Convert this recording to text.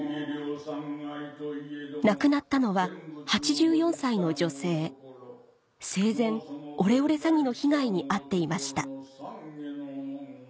亡くなったのは８４歳の女性生前オレオレ詐欺の被害に遭っていました